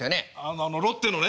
あのロッテのね。